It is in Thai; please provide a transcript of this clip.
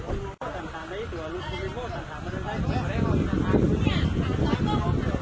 สุดท้ายเมื่อเวลาสุดท้ายเมื่อเวลาสุดท้ายเมื่อเวลาสุดท้าย